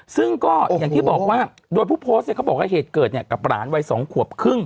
ซึ่งก็อย่างที่บอกว่าโดยผู้โพสต์เนี่ยเขาบอกว่าเหตุเกิดเนี่ยกับหลานวัย๒ขวบครึ่ง